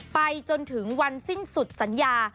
ไปจนถึงวันสิ้นสุดสัญญา